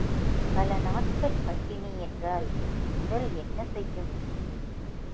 பல நாட்கள் பட்டினி என்றால் உடல் என்ன செய்யும்?